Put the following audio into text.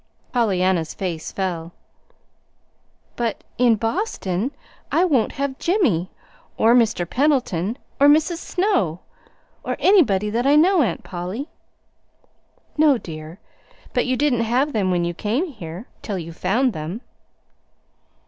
Pollyanna's face fell. "But in Boston I won't have Jimmy, or Mr. Pendleton, or Mrs. Snow, or anybody that I know, Aunt Polly." "No, dear; but you didn't have them when you came here till you found them."